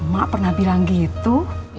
mak pernah bilang gitu